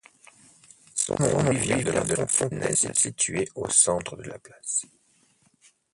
Son nom lui vient de la fontaine située au centre de la place.